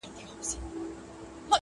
او ډېر فکر کوي هره ورځ